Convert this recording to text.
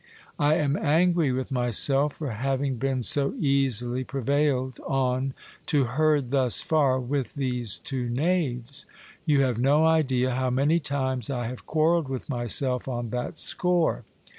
I am angry with myself for having been so easily prevailed on to herd thus far with these two knaves. You have no idea how many times I have quarrelled with myself on that score.